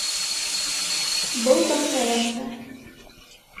Был да Хәйәмме?